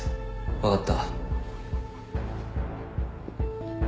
分かった。